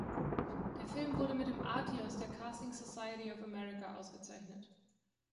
Der Film wurde mit dem "Artios" der "Casting Society of America" ausgezeichnet.